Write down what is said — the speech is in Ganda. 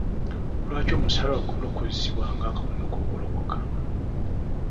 Lwaki omusaalabba gulina okukozesebwa ng'akabonero k'okulokoka?